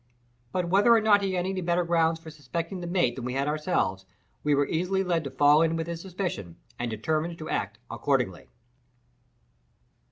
But whether or not he had any better grounds for suspecting the mate than we had ourselves, we were easily led to fall in with his suspicion, and determined to act accordingly.